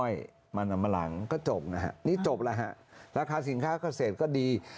อ้อยมันอำมารังก็จบนะครับนี่จบแล้วราคาสินค่ากระเศษก็ดี